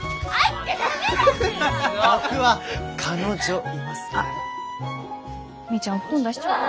僕は彼女いますから。